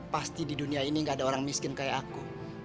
pasti di dunia ini gak ada orang miskin kayak aku